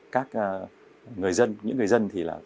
các người dân những người dân thì là